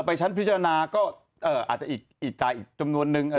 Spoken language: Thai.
ไปชั้นพิจารณาก็อาจจะอีกจ่ายอีกจำนวนนึง